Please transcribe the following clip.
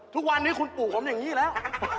ทุกวันนี้คุณปู่ผมอย่างนี้แล้ว